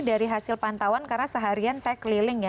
dari hasil pantauan karena seharian saya keliling ya